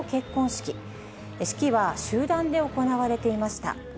式は集団で行われていました。